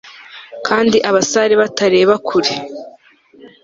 kandi abasare batareba kure